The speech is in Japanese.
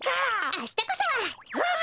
あしたこそはっ！